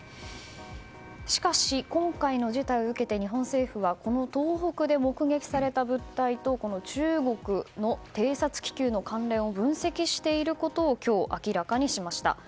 しかし今回の事態を受けて日本政府はこの東北で目撃された物体と中国の偵察気球の関連を分析していることを今日、明らかにしました。